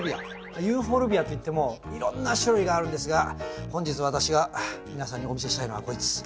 ユーフォルビアっていってもいろんな種類があるんですが本日私が皆さんにお見せしたいのはこいつ。